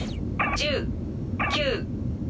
１０９８。